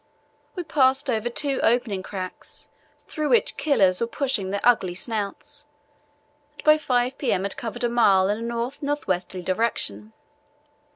We passed over two opening cracks, through which killers were pushing their ugly snouts, and by 5 p.m. had covered a mile in a north north westerly direction.